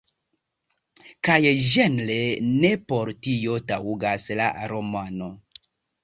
Kaj ĝenre ne por tio taŭgas la romano.